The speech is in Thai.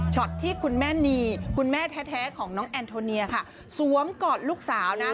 ที่คุณแม่นีคุณแม่แท้ของน้องแอนโทเนียค่ะสวมกอดลูกสาวนะ